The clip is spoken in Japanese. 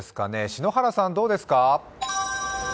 篠原さん、どうですか？